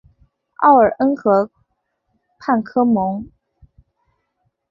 奥尔恩河畔科蒙。